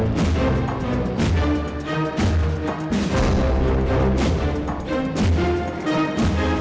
yuk sabut aja yuk